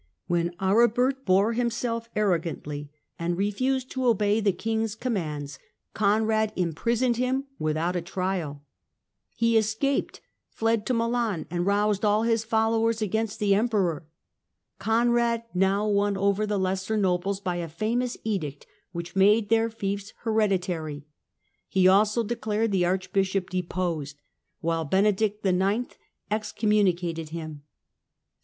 When Aribert bore himself arrogantly losT 32 THE CENTRAL PERIOD OF THE MIDDLE AGE and refused to obey the King's commands, Conrad im prisoned him without a trial. He escaped, fled to Milan, and roused all his followers against the Emperor. Conrad now won over the lesser nobles by a famous edict, which made their fiefs hereditary : he also declared the Arch bishop deposed, while Benedict IX. excommunicated him.